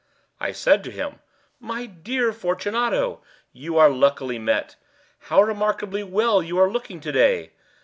I said to him: "My dear Fortunato, you are luckily met. How remarkably well you are looking to day!